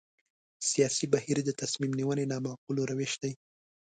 سیاسي بهیر د تصمیم نیونې نامعقول روش دی.